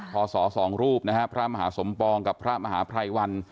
พศ๒รูปนะฮะพระมหาสมปองกับพระมหาภัยวัน